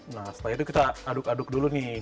nah setelah itu kita aduk aduk dulu nih